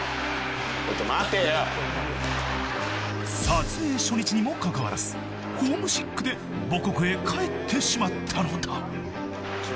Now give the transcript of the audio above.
［撮影初日にもかかわらずホームシックで母国へ帰ってしまったのだ］